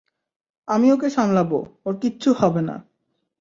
আমি ওকে সামলাবো, ওর কিচ্ছু হবে না।